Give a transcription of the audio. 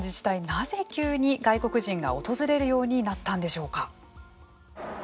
なぜ急に外国人が訪れるようになったんでしょうか。